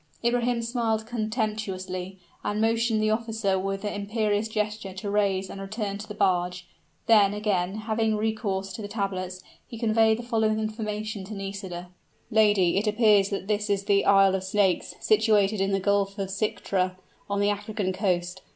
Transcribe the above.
Ibrahim smiled contemptuously, and motioned the officer with an imperious gesture to rise and return to the barge. Then, again, having recourse to the tablets, he conveyed the following information to Nisida: "Lady, it appears that this is the Isle of Snakes, situated in the Gulf of Sictra, on the African coast.